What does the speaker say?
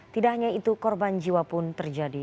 tidak hanya itu korban jiwa pun terjadi